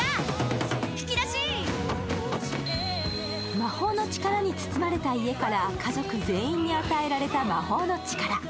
魔法の力に包まれた家から家族全員に与えられた魔法の力。